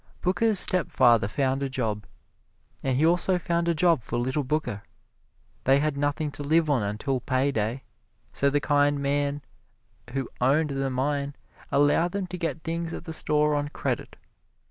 Booker's stepfather found a job, and he also found a job for little Booker. They had nothing to live on until pay day, so the kind man who owned the mine allowed them to get things at the store on credit.